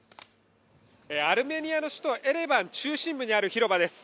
アルメニアの首都エレバン中心部にある広場です